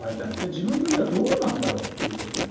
自分の家はどうなんだろうってことを。